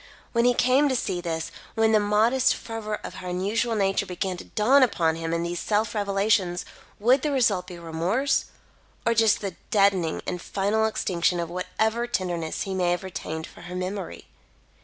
When he came to see this when the modest fervour of her unusual nature began to dawn upon him in these self revelations, would the result be remorse, or just the deadening and final extinction of whatever tenderness he may have retained for her memory?